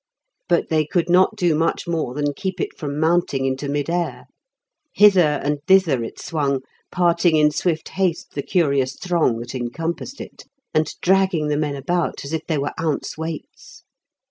But they could not do much more than keep it from mounting into mid air. Hither and thither it swung, parting in swift haste the curious throng that encompassed it, and dragging the men about as if they were ounce weights.